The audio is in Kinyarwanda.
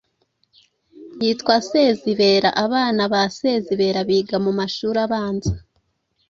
Yitwa Sezibera. Abana ba Sezibera biga mu mashuri abanza.